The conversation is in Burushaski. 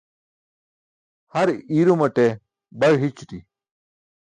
Har iirumaṭe baẏ hićuṭi.